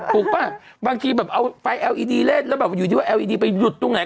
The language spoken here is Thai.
ป่ะบางทีแบบเอาไฟเอลอีดีเล่นแล้วแบบอยู่ที่ว่าเอลอีดีไปหยุดตรงไหน